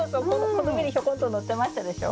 この上にひょこんとのってましたでしょう。